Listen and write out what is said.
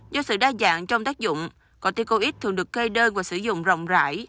do sự đa dạng trong tác dụng corticoid thường được cây đơn và sử dụng rộng rãi